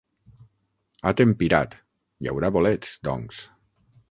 Ha tempirat: hi haurà bolets, doncs.